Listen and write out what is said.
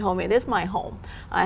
hoặc gia đình việt